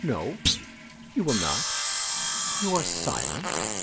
No? You will not? You are silent?